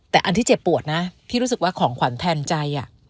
แต่อันที่เจ็บปวดนะพี่รู้สึกว่าของขวัญแทนใจ